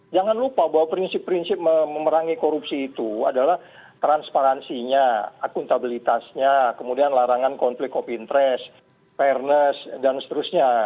jangan lupa bahwa prinsip prinsip memerangi korupsi itu adalah transparansinya akuntabilitasnya kemudian larangan konflik of interest fairness dan seterusnya